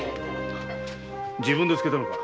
自分で漬けたのか。